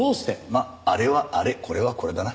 まああれはあれこれはこれだな。